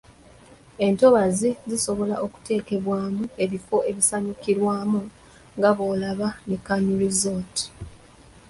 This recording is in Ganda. Entobazi zisobola okuteekebwamu ebifo ebisanyukirwamu nga bw’olaba Nican Resort.